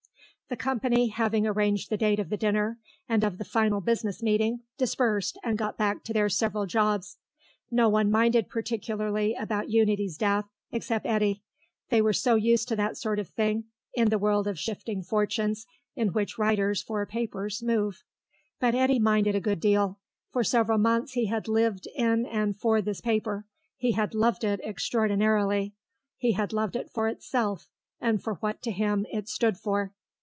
The company, having arranged the date of the dinner, and of the final business meeting, dispersed and got back to their several jobs. No one minded particularly about Unity's death, except Eddy. They were so used to that sort of thing, in the world of shifting fortunes in which writers for papers move. But Eddy minded a good deal. For several months he had lived in and for this paper; he had loved it extraordinarily. He had loved it for itself, and for what, to him, it stood for.